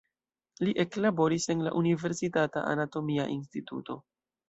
Li eklaboris en la universitata anatomia instituto.